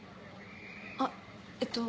あっえっと。